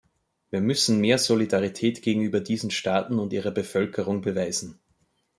Wir müssen mehr Solidarität gegenüber diesen Staaten und ihrer Bevölkerung beweisen.